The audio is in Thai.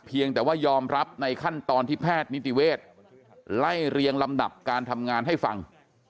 เพียงแต่ว่ายอมรับในขั้นตอนที่แพทย์นิติเวศไล่เรียงลำดับการทำงานให้ฟัง